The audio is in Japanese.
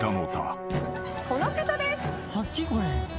この方です。